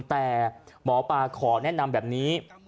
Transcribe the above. แต่หมอปลาขอแนะนำแบบนี้